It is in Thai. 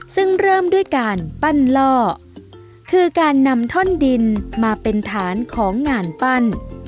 ซึ่งเริ่มด้วยการปั้นล่อคือการนำท่อนดินมาเป็นฐานของงานปั้น